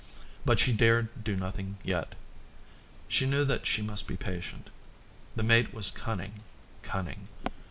But she dared do nothing yet. She knew that she must be patient. The mate was cunning, cunning.